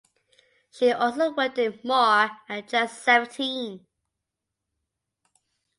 She also worked in "More" and "Just Seventeen".